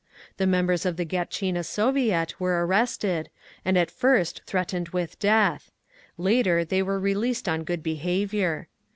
The members of the Gatchina Soviet were arrested, and at first threatened with death; later they were released on good behaviour.